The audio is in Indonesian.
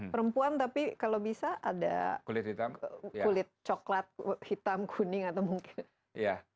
perempuan tapi kalau bisa ada kulit coklat hitam kuning atau mungkin